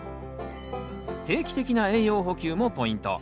定期的な栄養補給もポイント。